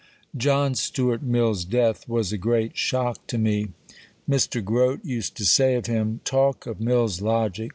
John Stuart Mill's death was a great shock to me. Mr. Grote used to say of him "Talk of Mill's Logic!